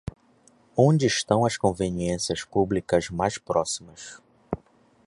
Onde estão as conveniências públicas mais próximas?